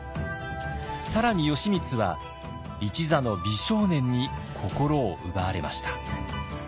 更に義満は一座の美少年に心を奪われました。